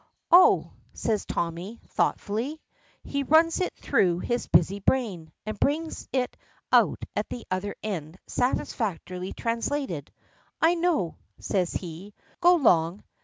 "Oh!" says Tommy, thoughtfully. He runs it through his busy brain, and brings it out at the other end satisfactorily translated. "I know," says he: "Go long!